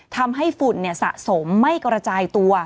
ทำให้ฝุ่นสะสมไม่กระจายตัว